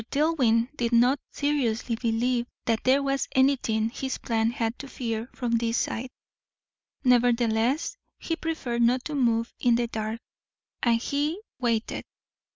Dillwyn did not seriously believe that there was anything his plan had to fear from this side; nevertheless he preferred not to move in the dark; and he waited.